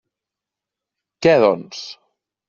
Què, doncs?